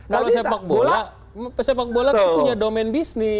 kalau sepak bola sepak bola kan punya domain bisnis